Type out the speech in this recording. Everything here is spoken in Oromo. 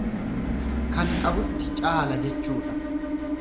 Kan qabutti caala jechuudha.